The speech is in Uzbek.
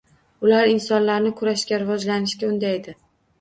Ular insonlarni kurashga, rivojlanishga undaydi.